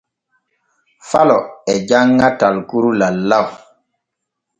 Falo e janŋa talkuru lallaw.